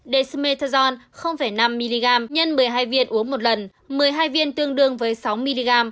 desmetazon năm mg x một mươi hai viên uống một lần một mươi hai viên tương đương với sáu mg